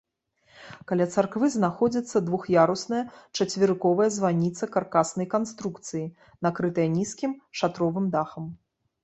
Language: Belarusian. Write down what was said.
Каля царквы знаходзіцца двух'ярусная чацверыковая званіца каркаснай канструкцыі, накрытая нізкім шатровым дахам.